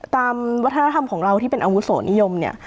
ตามวัฒนธรรมของเราที่เป็นอาวุโสนิยมเนี่ย